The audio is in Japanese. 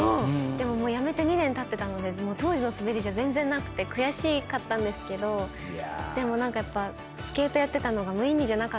でももうやめて２年たってたので当時の滑りじゃ全然なくて悔しかったんですけどでも何かやっぱ。